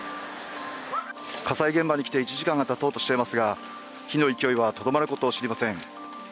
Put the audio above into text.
火災現場に来て１時間がたとうとしていますが火の勢いはとどまることを知りません。